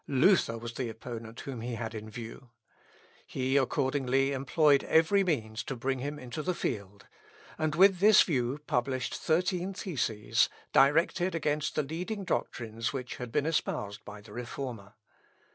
Luther was the opponent whom he had in view. He accordingly employed every means to bring him into the field; and with this view published thirteen theses, directed against the leading doctrines which had been espoused by the Reformer.